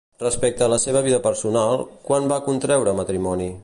Respecte a la seva vida personal, quan va contreure matrimoni?